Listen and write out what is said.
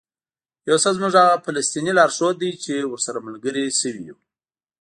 یوسف زموږ هغه فلسطینی لارښود دی چې ورسره ملګري شوي یو.